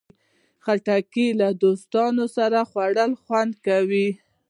خټکی له دوستانو سره خوړل خوند کوي.